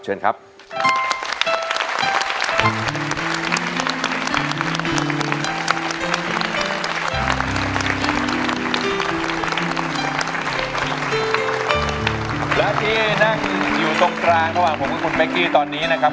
และที่นั่งอยู่ตรงกลางกับผมคือคุณเป๊กกี้ตอนนี้นะครับ